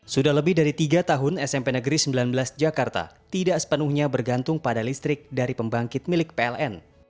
sudah lebih dari tiga tahun smp negeri sembilan belas jakarta tidak sepenuhnya bergantung pada listrik dari pembangkit milik pln